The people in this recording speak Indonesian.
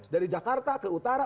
dari jakarta ke utara